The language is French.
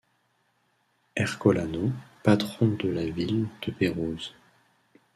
Ercolano, patron de la ville de Pérouse.